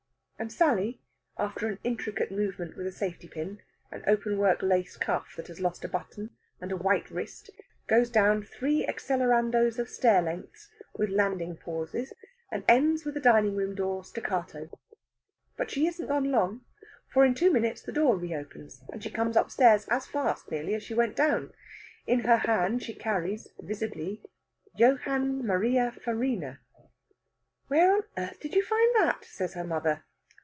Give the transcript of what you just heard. And Sally, after an intricate movement with a safety pin, an openwork lace cuff that has lost a button, and a white wrist, goes down three accelerandos of stair lengths, with landing pauses, and ends with a dining room door staccato. But she isn't long gone, for in two minutes the door reopens, and she comes upstairs as fast, nearly, as she went down. In her hand she carries, visibly, Johann Maria Farina. "Where on earth did you find that?" says her mother.